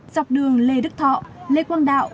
dọc đường lê đức thọ lê quang đạo